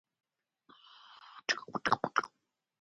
San Dámaso